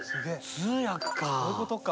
通訳か！